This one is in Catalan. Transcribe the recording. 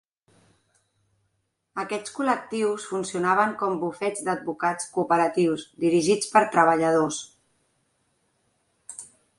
Aquests col·lectius funcionaven com bufets d'advocats cooperatius dirigits per treballadors.